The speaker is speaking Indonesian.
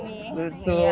jadi pada lusuk lusuk gini